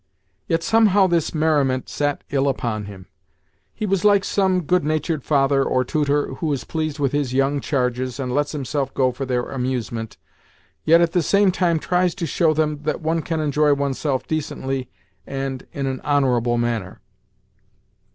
Yet somehow this merriment sat ill upon him. He was like some good natured father or tutor who is pleased with his young charges, and lets himself go for their amusement, yet at the same time tries to show them that one can enjoy oneself decently and in an honourable manner.